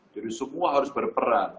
jadi semua harus berperan